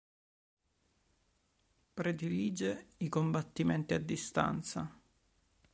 Predilige i combattimenti a distanza.